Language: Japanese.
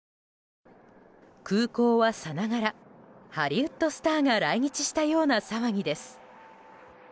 空港はさながらハリウッドスターが来日したような騒ぎです。